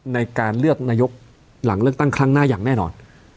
ในการเลือกนายกหลังเลือกตั้งครั้งหน้าอย่างแน่นอน